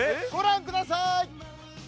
ご覧ください！